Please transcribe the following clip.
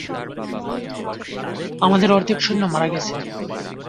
আমাদের অর্ধেক সৈন্য মারা গেছে!